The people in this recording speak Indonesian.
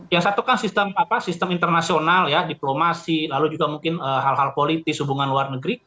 yang satu kan sistem internasional ya diplomasi lalu juga mungkin hal hal politis hubungan luar negeri